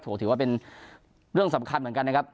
ถือว่าเป็นเรื่องสำคัญเหมือนกันนะครับ